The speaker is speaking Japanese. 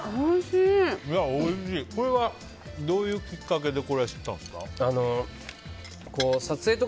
これは、どういうきっかけで知ったんですか？